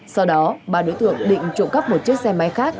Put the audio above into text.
sau đó bà đối tượng định trộm gắp một chiếc xe máy khác